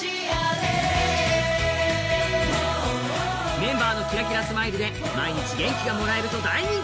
メンバーのキラキラスマイルで毎日元気がもらえると大人気。